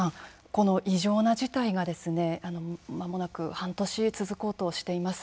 この異常な事態がまもなく半年続こうとしています。